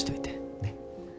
ねっ？